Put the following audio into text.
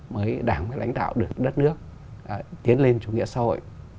mới đảng mới lãnh đạo được đất nước tiến lên chủ nghĩa xã hội